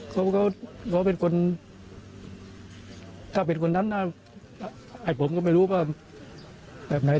ก็เป็นคนถ้าเป็นคนนั้นน่ะแหละผมก็ไม่รู้แบบไหน